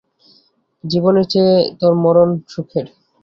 জীবনের চেয়ে তোর মরণ সুখের।